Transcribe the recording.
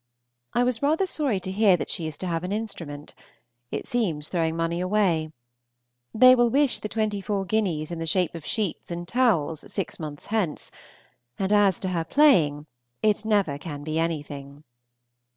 I was rather sorry to hear that she is to have an instrument; it seems throwing money away. They will wish the twenty four guineas in the shape of sheets and towels six months hence; and as to her playing, it never can be anything.